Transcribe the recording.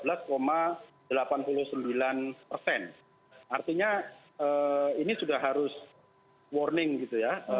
artinya ini sudah harus warning gitu ya